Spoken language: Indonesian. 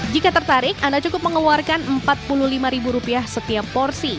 jika tertarik anda cukup mengeluarkan empat puluh lima setiap porsi